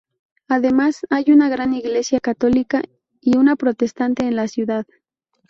Además, hay una iglesia católica y una protestante en la ciudad.